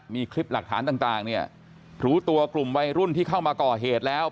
มีคลิปหลักฐานต่างเนี่ยรู้ตัวกลุ่มวัยรุ่นที่เข้ามาก่อเหตุแล้ว